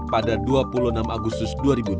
pada dua puluh enam agustus dua ribu dua puluh